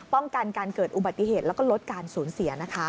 ป้องกันการเกิดอุบัติเหตุแล้วก็ลดการสูญเสียนะคะ